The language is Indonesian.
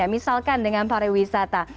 misalkan dengan pariwisata